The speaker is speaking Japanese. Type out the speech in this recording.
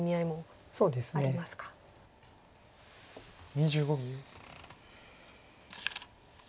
２５秒。